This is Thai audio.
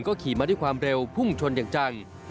ขี่มาด้วยความเร็วพุ่งชนอย่างจัง